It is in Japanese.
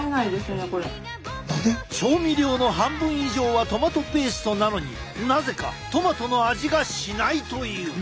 調味料の半分以上はトマトペーストなのになぜかトマトの味がしないという！